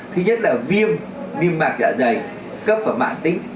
thứ nhất là viêm viêm mạc dạ dày cấp vào mãn tính